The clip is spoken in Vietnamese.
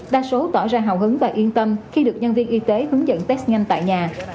đa số tỏ ra hào hứng và yên tâm khi được nhân viên y tế hướng dẫn test nhanh tại nhà